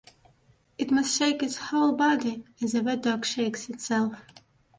It must shake its whole body as a wet dog shakes itself.